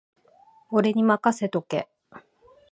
俺にまかせとけ